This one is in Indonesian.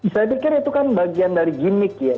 saya pikir itu kan bagian dari gimmick ya